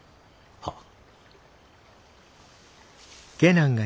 はっ。